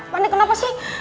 panik kenapa sih